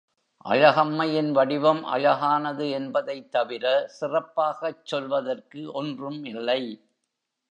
அழகம்மையின் வடிவம் அழகானது என்பதைத் தவிர, சிறப்பாகச் சொல்வதற்கு ஒன்றும் இல்லை.